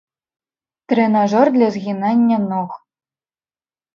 Трэнажор для згінання ног.